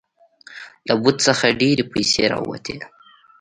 له بت څخه ډیرې پیسې راوتې.